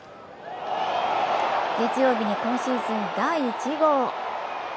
月曜日に今シーズン第１号。